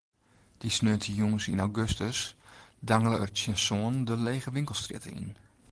Dy sneontejûns yn augustus dangele er tsjin sânen de lege winkelstrjitte yn.